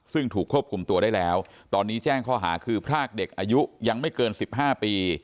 ซึ่งถูกควบคุมตัวได้แล้วตอนนี้แจ้งข้อหาคือพรากเด็กอายุยังไม่เกิน๑๕ปี